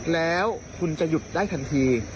แล้วคุณจะหยุดได้ทันที